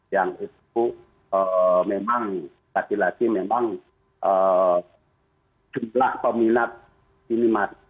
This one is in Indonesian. yang itu memang lagi lagi memang jumlah peminat ini masih